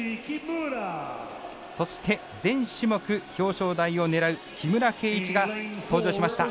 そして、全種目、表彰台を狙う木村敬一が登場しました。